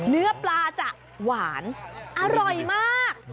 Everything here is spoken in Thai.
เนื้อปลาจะหวานอร่อยมาก